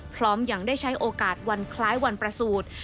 พร้อมยังได้ใช้โอกาสวันคล้ายวันประสูจน์